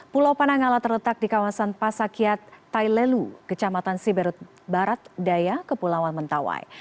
pulau panangalat terletak di kawasan pasakyat taylelu kecamatan siberut barat daya ke pulau mentawai